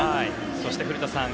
そして、古田さん